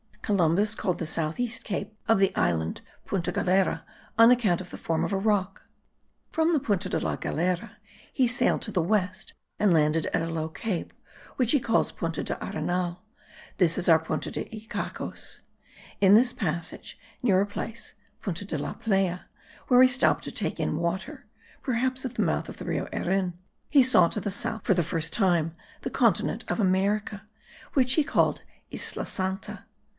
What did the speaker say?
Columbus called the south east cape of the island Punta Galera, on account of the form of a rock. From Punta de la Galera he sailed to the west and landed at a low cape, which he calls Punta del Arenal; this is our Punta de Icacos. In this passage, near a place (Punta de la Playa) where he stopped to take in water (perhaps at the mouth of the Rio Erin), he saw to the south, for the first time, the continent of America, which he called Isla Santa.